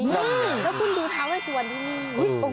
แล้วคุณดูทาเวสวรรณที่นี่